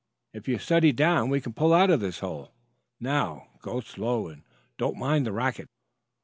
If you'll steady down we can pull out of this hole. Now, go slow, and don't mind the racket."